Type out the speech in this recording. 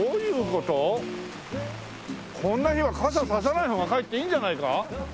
こんな日は傘差さない方がかえっていいんじゃないか？